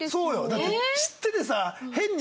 だって知っててさ。